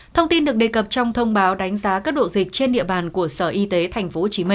thông tin được đề cập trong thông báo đánh giá các độ dịch trên địa bàn của sở y tế tp hcm